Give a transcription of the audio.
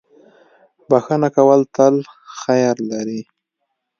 • بښنه کول تل خیر لري.